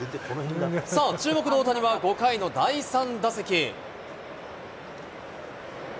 さあ、注目の大谷は、５回の第３打席。